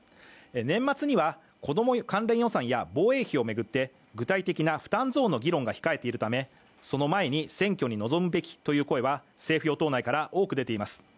年末には子ども関連予算や防衛費増を巡って具体的な負担増の議論が控えているため、その前に選挙に臨むべきという声は政府与党内から多く出ています。